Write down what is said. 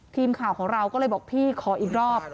ทีมข่าวของเราก็เลยบอกพี่ขออีกรอบ